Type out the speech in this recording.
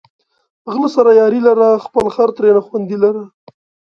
غله سره یاري لره، خپل خر ترېنه خوندي لره